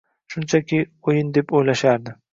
Shunchaki o‘yin deb o‘ylashardi.